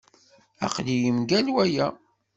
Aql-iyi mgal waya.